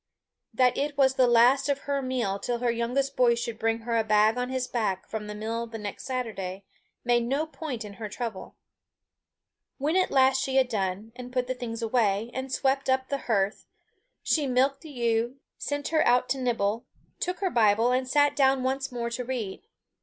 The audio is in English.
That it was the last of her meal till her youngest boy should bring her a bag on his back from the mill the next Saturday, made no point in her trouble. When at last she had done, and put the things away, and swept up the hearth, she milked the ewe, sent her out to nibble, took her Bible, and sat down once more to read.